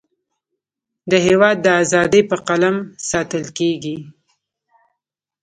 د هیواد اذادی په قلم ساتلکیږی